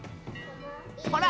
ほら！